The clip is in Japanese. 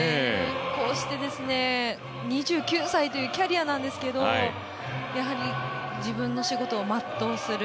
こうして、２９歳というキャリアなんですけどやはり自分の仕事を全うする。